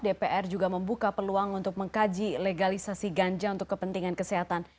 dpr juga membuka peluang untuk mengkaji legalisasi ganja untuk kepentingan kesehatan